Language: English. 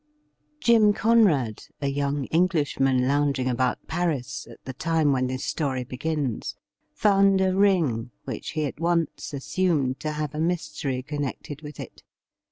Jim Conrad, a young Englishman lounging about Paris at the time when this story begins, found a ring which he at once assumed to have a mystery connected with it.